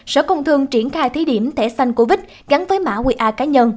sở công thương triển khai thí điểm thẻ xanh covid gắn với mã qr cá nhân